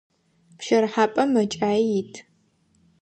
Пщэрыхьапӏэм мэкӏаи ит.